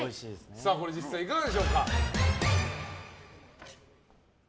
これ実際いかがでしょうか。